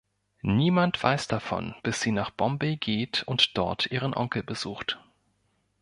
Niemand weiß davon bis sie nach Bombay geht und dort ihren Onkel besucht.